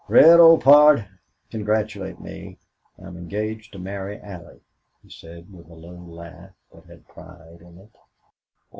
"Red, old pard, congratulate me! I'm engaged to marry Allie!" he said, with a low laugh that had pride in it.